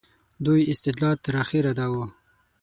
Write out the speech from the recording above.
دوی استدلال تر اخره دا و.